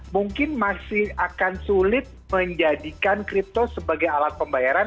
mungkin masih akan sulit menjadikan kripto sebagai alat pembayaran